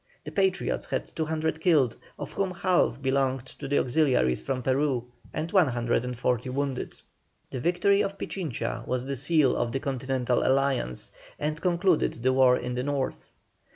The Patriots had 200 killed, of whom half belonged to the auxiliaries from Peru, and 140 wounded. The victory of Pichincha was the seal of the continental alliance, and concluded the war in the North.